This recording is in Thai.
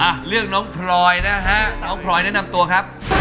อ่ะเลือกน้องพลอยนะฮะน้องพลอยแนะนำตัวครับ